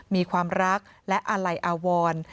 มีความรักและอาลัยอาวร